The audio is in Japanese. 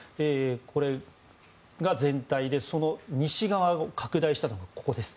これが全体で、その西側を拡大したのがここです。